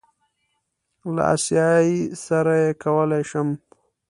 له آسیایي سره یې کولی شم.